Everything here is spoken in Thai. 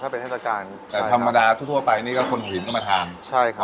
เป็นเทศกาลแต่ธรรมดาทั่วทั่วไปนี่ก็คนหินก็มาทานใช่ครับ